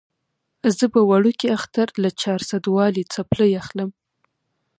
زه به وړوکي اختر له چارسدوالې څپلۍ اخلم